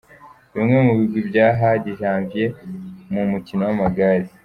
Bimwe mu bigwi bya Hadi Janvier mu mukino w’amagare.